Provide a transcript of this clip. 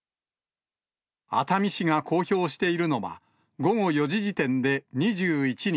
熱海市が公表しているのは、午後４時時点で２１人。